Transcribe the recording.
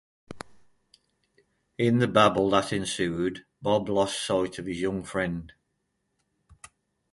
In the babel which ensued Bob lost sight of his young friend.